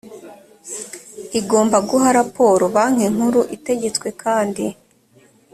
igomba guha raporo banki nkuru itegetswe kandi